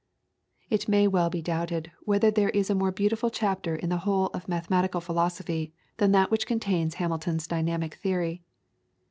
It may well be doubted whether there is a more beautiful chapter in the whole of mathematical philosophy than that which contains Hamilton's dynamical theory.